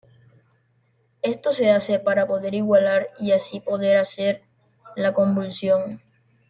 Esto se hace para poder igualar y así poder hacer la convolución.